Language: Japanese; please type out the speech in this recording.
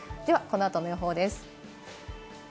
この後の予報です。